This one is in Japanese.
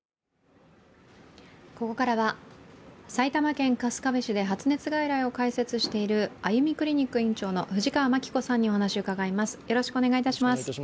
ここからは埼玉県春日部市で発熱外来を開設しているあゆみクリニック院長の藤川万規子さんにお話を伺います。